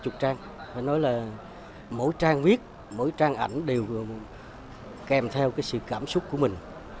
phải nói là mỗi trang viết mỗi trang ảnh đều kèm theo cái sự cảm xúc của mình